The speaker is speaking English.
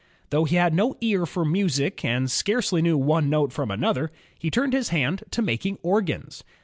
Though he had no ear for music and scarcely knew one note from another, he turned his hand to making organs.